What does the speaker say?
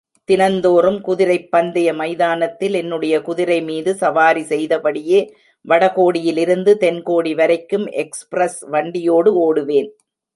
தினந்தோறும் குதிரைப் பந்தய மைதானத்தில் என்னுடைய குதிரைமீது சவாரி செய்தபடியே, வடகோடியிலிருந்து தென்கோடி வரைக்கும் எக்ஸ்பிரஸ் வண்டியோடு ஒடுவேன்.